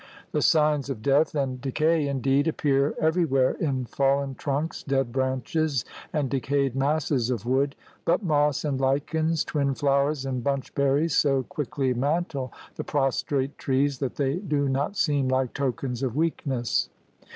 The signs of death and de cay, indeed, appear everywhere in fallen trunks, dead branches, and decayed masses of wood, but moss and lichens, twinflowers and bunchberries so quickly mantle the prostrate trees that they do not seem like tokens of weakness.